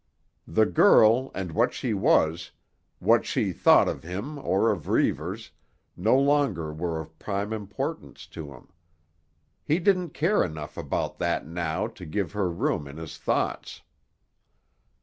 The girl, and what she was, what she thought of him, or of Reivers, no longer were of prime importance to him. He didn't care enough about that now to give her room in his thoughts.